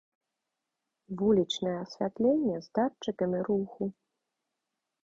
Вулічнае асвятленне з датчыкамі руху.